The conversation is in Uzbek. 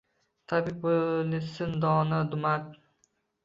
Tabib boʼlsin dono, jumard